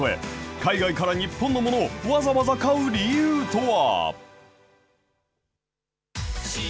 海外から日本のものをわざわざ買う理由とは。